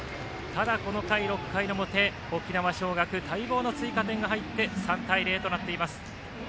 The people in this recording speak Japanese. この回、６回の表、沖縄尚学待望の追加点が入って３対０となっています。